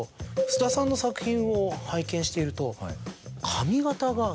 菅田さんの作品を拝見していると。